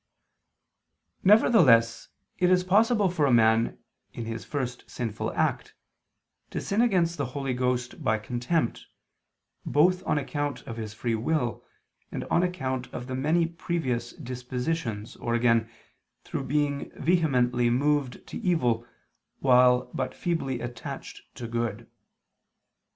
Nevertheless it is possible for a man, in his first sinful act, to sin against the Holy Ghost by contempt, both on account of his free will, and on account of the many previous dispositions, or again, through being vehemently moved to evil, while but feebly attached to good.